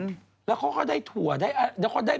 ถูกแล้วเขาก็ได้ถั่วได้แล้วก็ได้